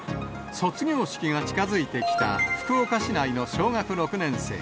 卒業式が近づいてきた福岡市内の小学６年生。